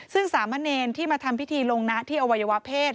ซึ่งสามะเนรที่มาทำพิธีลงนะที่อวัยวะเพศ